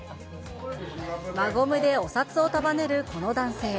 輪ゴムでお札を束ねるこの男性。